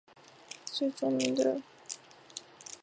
他最著名的作品是情景喜剧少女设计师。